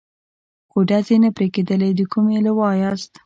خو ډزې نه پرې کېدلې، د کومې لوا یاست؟